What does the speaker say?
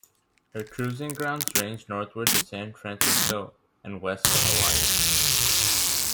Her cruising grounds ranged northward to San Francisco and west to Hawaii.